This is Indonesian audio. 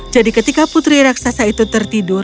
jadi ketika putri raksasa itu tertidur